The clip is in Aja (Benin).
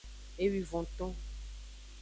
Ewivonton.